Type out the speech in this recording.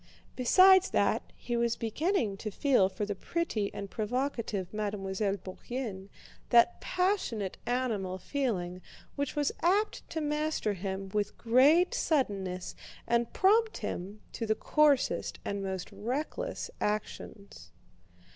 Besides that, he was beginning to feel for the pretty and provocative Mademoiselle Bourienne that passionate animal feeling which was apt to master him with great suddenness and prompt him to the coarsest and most reckless actions.